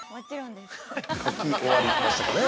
◆書き終わりましたかね。